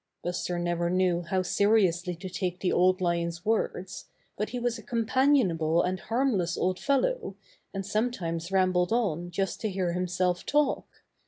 Buster never knew how seriously to take the Old Lion's words, but he was a companionable and harmless old fellow, and sometimes rambled on just to hear himself talk.